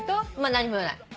何も言わない。